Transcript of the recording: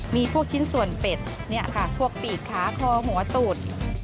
มีพวกชิ้นส่วนเป็ดเนี่ยค่ะพวกปีกขาคอหัวตูด